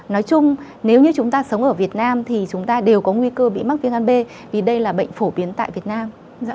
nói chung nếu như chúng ta sống ở việt nam thì chúng ta đều có nguy cơ bị mắc viêm gan b vì đây là bệnh phổ biến tại việt nam